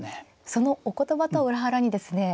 そのお言葉とは裏腹にですね